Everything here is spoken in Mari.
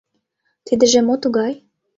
— Тидыже мо тугай?